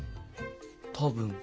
多分。